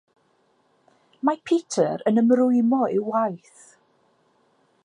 Mae Peter yn ymrwymo i'w waith.